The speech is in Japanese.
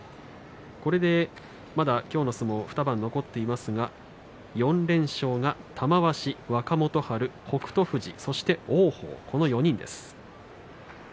これで今日の相撲あと２番残っていますが４連勝が玉鷲、若元春北勝富士、そして王鵬の４人です。